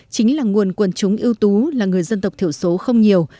chính là nguồn quần chúng ưu tú là người dân tộc thiểu số không nhiều